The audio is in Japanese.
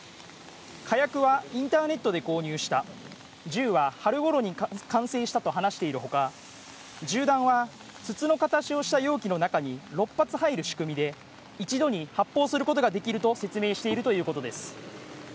火薬はインターネットで購入した銃は春頃に完成したと話しているほか、銃弾は筒の形をした容器の中に６発入る仕組みで、一度に発砲することができると説明しているということです。